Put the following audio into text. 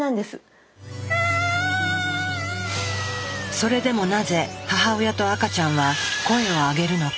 それでもなぜ母親と赤ちゃんは声を上げるのか。